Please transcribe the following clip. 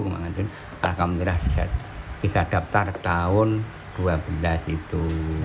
alhamdulillah bisa daftar tahun dua belas itu